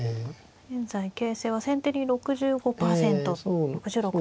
現在形勢は先手に６５％６６％と。